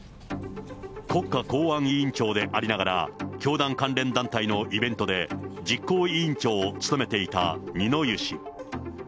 国家公安委員長でありながら、教団関連団体のイベントで、実行委員長を務めていた二之湯氏。